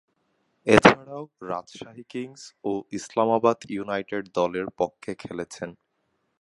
এছাড়াও, রাজশাহী কিংস ও ইসলামাবাদ ইউনাইটেড দলের পক্ষে খেলেছেন।